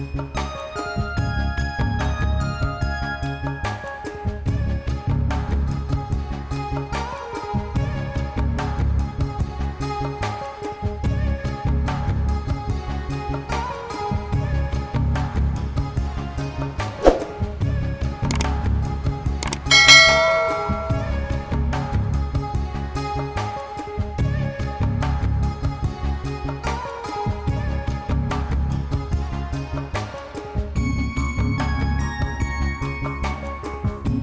gak bisa buru buru